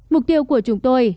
mục tiêu của chúng tôi